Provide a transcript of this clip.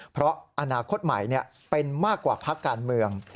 เพราะอนาคตใหม่เป็นมากกว่าพักการเมือง